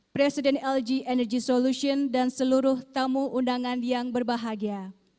presiden lg energy solution dan seluruh tamu undangan yang berbahagia